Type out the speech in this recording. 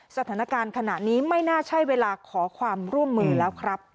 สถานการณ์ขณะนี้ไม่น่าใช่เวลาขอความร่วมมือแล้วครับ